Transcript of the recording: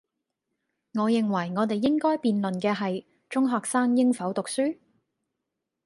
我認為，我哋應該辯論嘅係，中學生應否讀書?